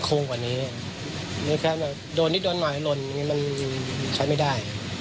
ก็อยากให้เขาดูแลให้มันมั่งโครงกว่านี้โดนนิดหน่อยลนมันใช้ไม่ได้